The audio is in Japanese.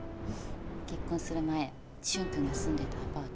結婚する前舜くんが住んでたアパート。